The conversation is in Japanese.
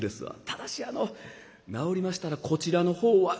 ただしあの治りましたらこちらの方は」。